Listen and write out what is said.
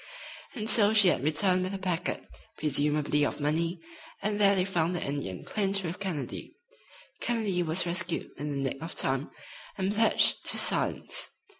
And so she had returned with a packet, presumably of money, and there they found the Indian clinched with Kennedy. Kennedy was rescued in the nick of time, and pledged to silence.